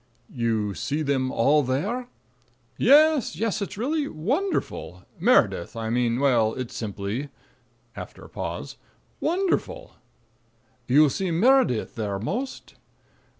"You see them all there?" "Yes, yes. It's really wonderful. Meredith I mean well, it's simply (after a pause) wonderful." "You see Meredith there most?"